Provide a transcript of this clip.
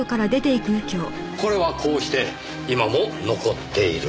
これはこうして今も残っている。